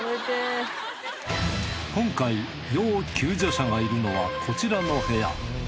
今回要救助者がいるのはこちらの部屋。